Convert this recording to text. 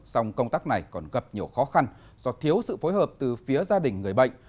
song công tác này còn gặp nhiều khó khăn do thiếu sự phối hợp từ phía gia đình người bệnh